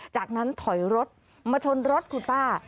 จากนั้นถอยรถมาชนรถคุณป้า